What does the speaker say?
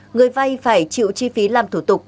người vai phải chịu chi phí làm thủ tục